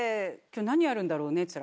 今日何やるんだろうね？